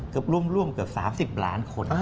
ร่วมเกือบ๓๐ล้านคน